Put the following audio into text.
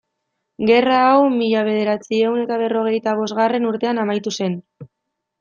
Gerra hau mila bederatziehun eta berrogeita bosgarren urtean amaitu zen.